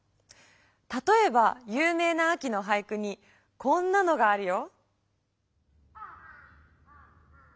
たとえばゆう名な秋の俳句にこんなのがあるよ。